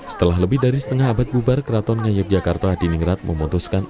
setelah lebih dari setengah abad bubar keraton ngayogyakarto di ningrat memutuskan